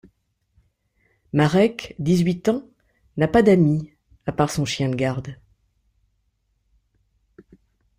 Marek, dix-huit ans, n'a pas d'ami à part son chien de garde.